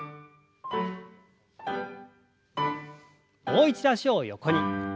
もう一度脚を横に。